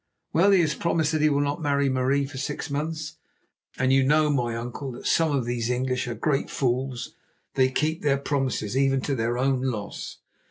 Well, he has promised that he will not marry Marie for six months. And you know, my uncle, that some of these English are great fools; they keep their promises even to their own loss.